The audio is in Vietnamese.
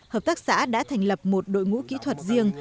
hợp tác xã đã thành lập một đội ngũ kỹ thuật riêng